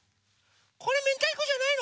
これめんたいこじゃないの？